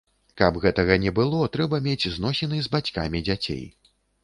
Каб гэтага не было, трэба мець зносіны з бацькамі дзяцей.